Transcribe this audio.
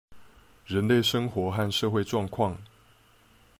人類生活和社會狀況